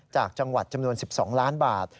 จากจังหวัดจำนวน๑๒ล้านบาท